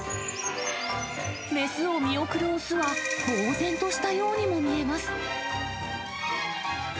雌を見送る雄は、ぼう然としたようにも見えます。